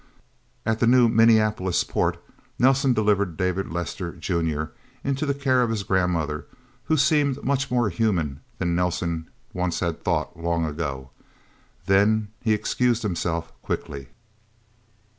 At the new Minneapolis port, Nelsen delivered David Lester, Junior into the care of his grandmother, who seemed much more human than Nelsen once had thought long ago. Then he excused himself quickly.